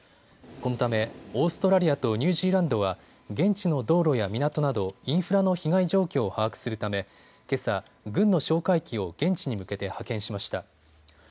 このためオーストラリアとニュージーランドは現地の道路や港などインフラの被害状況を把握するためけさ、軍の哨戒機を現地に向けて派遣しました。